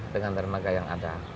dengan dermaga yang ada